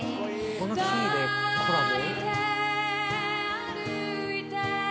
このキーでコラボ？